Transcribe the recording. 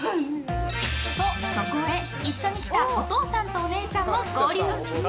と、そこへ一緒に来たお父さんとお姉ちゃんも合流。